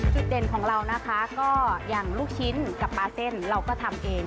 จุดเด่นของเรานะคะก็อย่างลูกชิ้นกับปลาเส้นเราก็ทำเอง